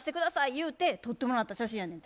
ゆうて撮ってもらった写真やねん。